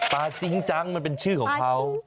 จริงจังมันเป็นชื่อของเขา